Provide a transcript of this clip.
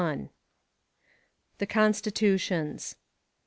THE CONSTITUTIONS.